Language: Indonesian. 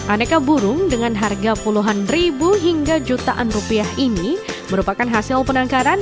aneka burung dengan harga puluhan ribu hingga jutaan rupiah ini merupakan hasil penangkaran